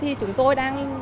thì chúng tôi đang